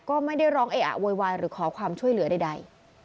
ก็ไม่ได้ร้องเออะโวยวายหรือขอความช่วยเหลือใด